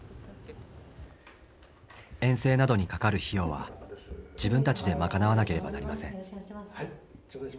遠征などにかかる費用は自分たちで賄わなければなりません。